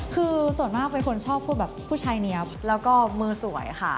คือส่วนมากเป็นคนชอบพูดแบบผู้ชายเนี๊ยบแล้วก็มือสวยค่ะ